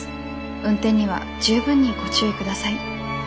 運転には十分にご注意ください。